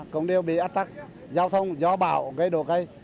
cũng đều bị áp tắc giao thông gió bão gây đổ cây